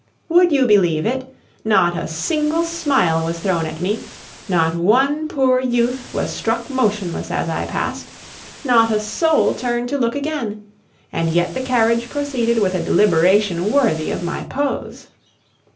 Would you believe it? Not a single smile was thrown at me, not one poor youth was struck motionless as I passed, not a soul turned to look again; and yet the carriage proceeded with a deliberation worthy of my pose.